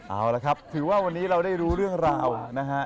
เอาละครับถือว่าวันนี้เราได้รู้เรื่องราวนะฮะ